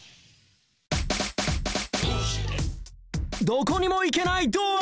どこにも行けないドア